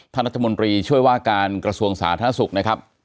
ท่านรัฐมนตรีช่วยว่าการกระทรวงสาธารณสุขนะครับ